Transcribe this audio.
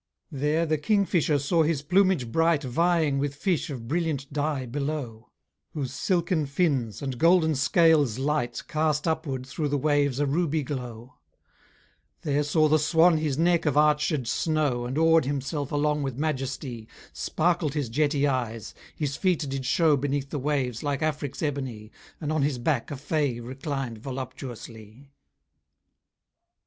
There the king fisher saw his plumage bright Vieing with fish of brilliant dye below; Whose silken fins, and golden scales' light Cast upward, through the waves, a ruby glow: There saw the swan his neck of arched snow, And oar'd himself along with majesty; Sparkled his jetty eyes; his feet did show Beneath the waves like Afric's ebony, And on his back a fay reclined voluptuously.